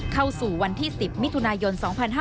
เข้าสู่วันที่๑๐มิถุนายน๒๕๕๙